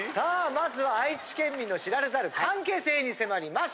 まずは愛知県民の知られざる関係性に迫ります！